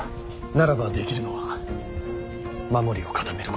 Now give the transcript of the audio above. ならばできるのは守りを固めることのみ。